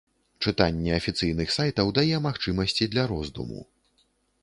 Чытанне афіцыйных сайтаў дае магчымасці для роздуму.